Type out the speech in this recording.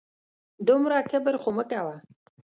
دومره کبر خو مه کوه